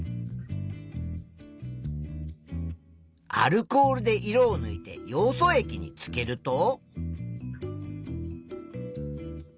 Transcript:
アルコールで色をぬいてヨウ素液につけると。